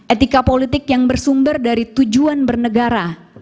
etika politik yang bersumber dari tujuan bernegara